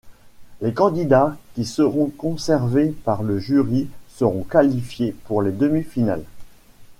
Les candidats qui seront conservés par le jury seront qualifiés pour les demi-finales.